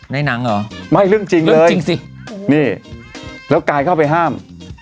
หนังเหรอไม่เรื่องจริงเรื่องจริงสินี่แล้วกายเข้าไปห้าม